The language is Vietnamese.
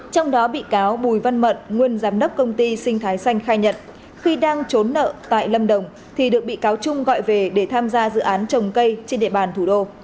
trong đó bị cáo bùi văn mận nguyên giám đốc công ty sinh thái xanh khai nhận khi đang trốn nợ tại lâm đồng thì được bị cáo trung gọi về để tham gia dự án trồng cây trên địa bàn thủ đô